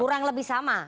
kurang lebih sama